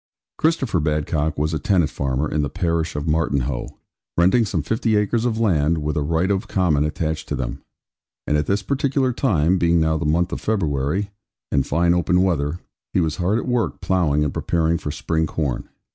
Christopher Badcock was a tenant farmer, in the parish of Martinhoe, renting some fifty acres of land, with a right of common attached to them; and at this particular time, being now the month of February, and fine open weather, he was hard at work ploughing and preparing for spring corn.